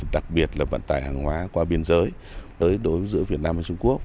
đặc biệt là vận tải hàng hóa qua biên giới đối với việt nam và trung quốc